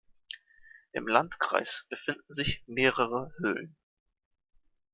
Im Landkreis befinden sich mehrere Höhlen.